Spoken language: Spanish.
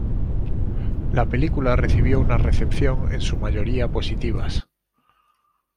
La película recibió una recepción en su mayoría positivas.